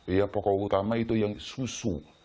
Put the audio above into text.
ya pokok utama itu yang susu